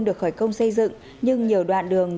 được khởi công xây dựng nhưng nhiều đoạn đường